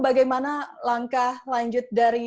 bagaimana langkah lanjut dari